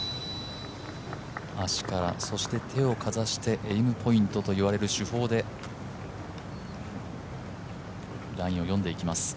足から、そして手をかざしてエイムポイントと言われる手法でラインを読んでいきます